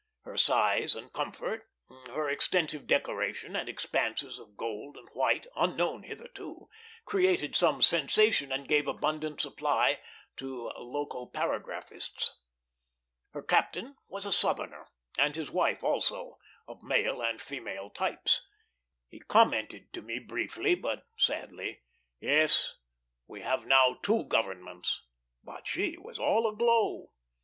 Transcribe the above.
Her size and comfort, her extensive decoration and expanses of gold and white, unknown hitherto, created some sensation, and gave abundant supply to local paragraphists. Her captain was a Southerner, and his wife also; of male and female types. He commented to me briefly, but sadly, "Yes, we have now two governments"; but she was all aglow.